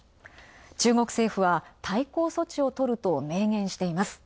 中国政府は対抗措置をとると明言しています。